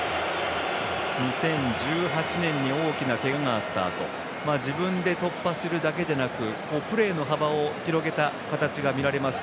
２０１８年に大きなけががあったあと自分で突破するだけでなくプレーの幅を広げた形が見られます